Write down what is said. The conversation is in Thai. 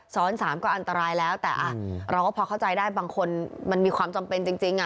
๓ก็อันตรายแล้วแต่เราก็พอเข้าใจได้บางคนมันมีความจำเป็นจริง